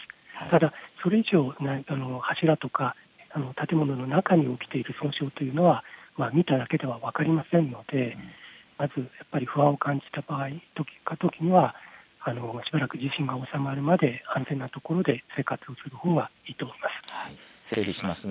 ただそれ以上、柱とか建物の中に起きている損傷というのは見ただけでは分かりませんのでまずやっぱり不安を感じたときにはしばらく地震が収まるまでは安全な所で生活をするほうがいいと思います。